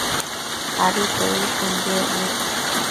abitedishun bëec nid